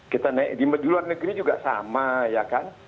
kita naik di luar negeri juga sama ya kan